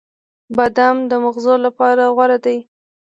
• بادام د مغزو لپاره غوره دی.